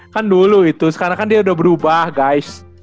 kan dulu itu sekarang kan dia udah berubah guys